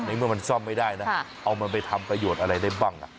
เมื่อมันซ่อมไม่ได้นะเอามันไปทำประโยชน์อะไรได้บ้าง